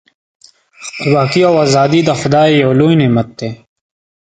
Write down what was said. خپلواکي او ازادي د خدای ج یو لوی نعمت دی.